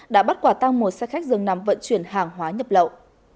đã bắt quả tăng một xe khách dường nằm vận chuyển hàng hóa nhập lậu